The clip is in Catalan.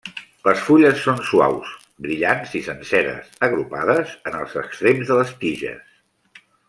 Les fulles són suaus, brillants i senceres, agrupades en els extrems de les tiges.